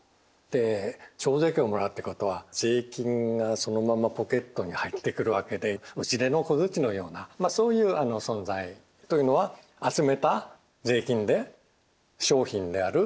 で徴税権をもらうってことは税金がそのままポケットに入ってくるわけで打ち出の小槌のようなそういう存在というのは集めた税金で商品である綿布を買う。